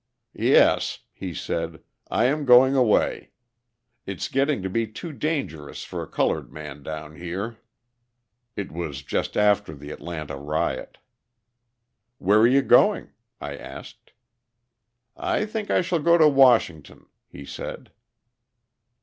"Yes," he said, "I am going away. It's getting to be too dangerous for a coloured man down here." It was just after the Atlanta riot. "Where are you going?" I asked. "I think I shall go to Washington," he said.